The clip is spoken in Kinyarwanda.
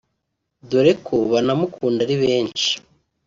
dore ko banamukunda ari benshi